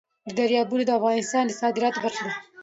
دریابونه د افغانستان د صادراتو برخه ده.